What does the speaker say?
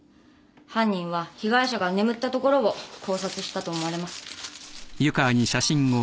犯人は被害者が眠ったところを絞殺したと思われます。